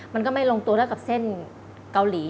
มันก็ไม่ลงตัวเท่ากับเส้นเกาหลี